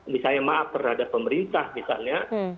misalnya maaf terhadap pemerintah misalnya